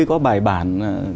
có bài bản